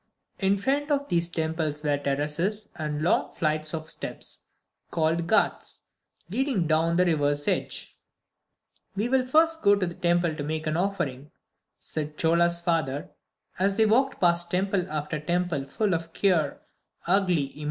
In front of these temples were terraces and long flights of steps, called "ghats" leading down to the river's edge. "We will go first to the temple to make an offering," said Chola's father, as they walked past temple after temple full of queer, ugly images.